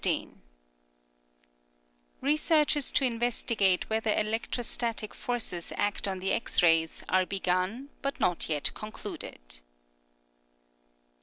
Eesearches to investigate whether electrostatic forces act on the X rays are begun, but not yet concluded.